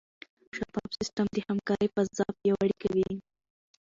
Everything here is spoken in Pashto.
شفاف سیستم د همکارۍ فضا پیاوړې کوي.